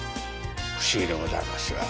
不思議でございますが。